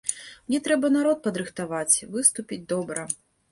Мне трэба народ падрыхтаваць, выступіць добра.